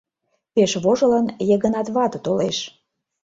Пеш вожылын, Йыгынат вате толеш.